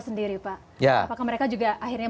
sendiri pak apakah mereka juga akhirnya